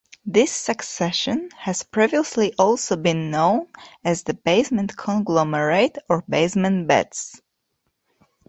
This succession has previously also been known as the Basement Conglomerate or Basement Beds.